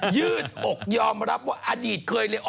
ยืดอกยอมรับว่าอดีตเคยเรียน